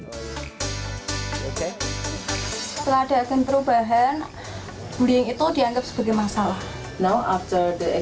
setelah ada perubahan bullying itu dianggap sebagai masalah